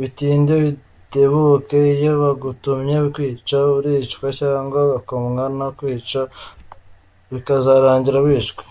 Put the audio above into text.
Bitinde bitebuke iyo bagutumye kwica, uricwa cyangwa ukokamwa no kwica bikazarangira wishwe!